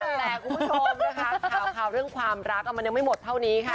แต่คุณผู้ชมนะคะข่าวเรื่องความรักมันยังไม่หมดเท่านี้ค่ะ